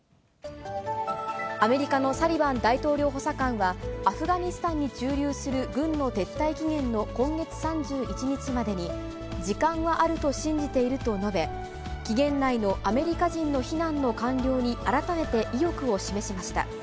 アメリカのサリバン大統領補佐官は、アフガニスタンに駐留する軍の撤退期限の今月３１日までに、時間はあると信じていると述べ、期限内のアメリカ人の避難の完了に、改めて意欲を示しました。